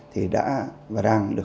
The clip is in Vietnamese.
thì đã và đang được